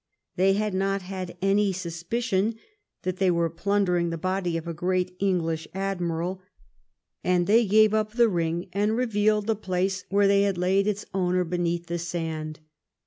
They had not had any suspicion that they were plunder ing the body of a great English admiral, and they gave up the ring and revealed the place where they had laid its owner beneath the sand.